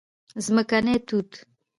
🍓ځمکني توت